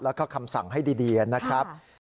แล้วก็คำสั่งให้ดีนะครับ